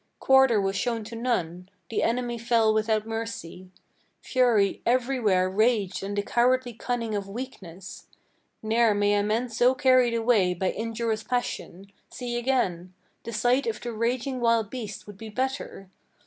Quarter was shown to none: the enemy fell without mercy. Fury everywhere raged and the cowardly cunning of weakness. Ne'er may I men so carried away by injurious passion See again! the sight of the raging wild beast would be better.